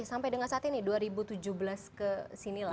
sampai dengan saat ini dua ribu tujuh belas ke sini lah